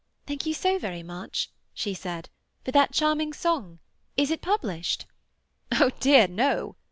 "Thank you so very much," she said, "for that charming song. Is it published?" "Oh dear, no!"